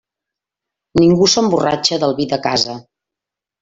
Ningú s'emborratxa del vi de casa.